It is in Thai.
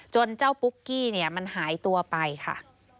เจ้าปุ๊กกี้เนี่ยมันหายตัวไปค่ะ